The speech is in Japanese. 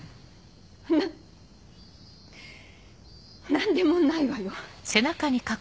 何でもないわよ。